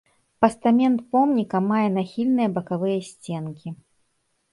Пастамент помніка мае нахільныя бакавыя сценкі.